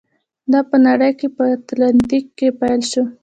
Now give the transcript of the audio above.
دا په نړۍ او په اتلانتیک کې پیل شو.